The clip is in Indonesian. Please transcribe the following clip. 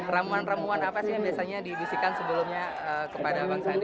ramuan ramuan apa sih yang biasanya dibisikan sebelumnya kepada bang sandi